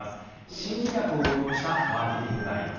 心理学を応用したマーケティングがあります。